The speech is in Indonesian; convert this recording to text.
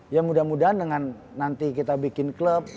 ya mudah mudahan dengan nanti kita bikin klub